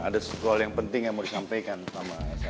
ada sebuah hal yang penting yang mau disampaikan sama saya